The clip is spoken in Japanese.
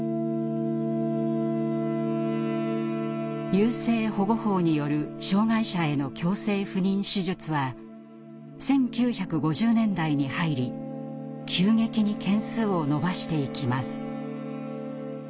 優生保護法による障害者への強制不妊手術は１９５０年代に入り急激に件数を伸ばしていきます。